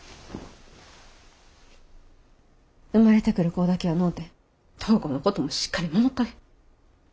生まれてくる子だけやのうて灯子のこともしっかり守ったげ。